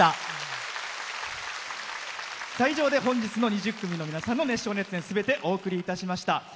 以上で本日の２０組の皆さんの熱唱・熱演全てお送りいたしました。